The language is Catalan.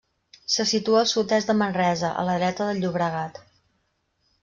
Se situa al sud-est de Manresa, a la dreta del Llobregat.